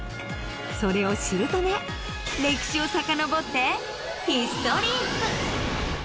それを知るため歴史をさかのぼってヒストリップ！